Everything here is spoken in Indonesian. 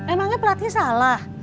emangnya pelatnya salah